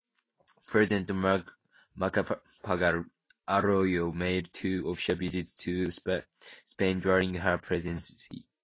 President Macapagal-Arroyo made two official visits to Spain during her presidency.